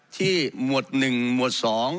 ที่มวด๑มวด๒